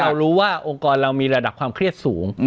เรารู้ว่าองค์กรเรามีระดับความเครียดสูง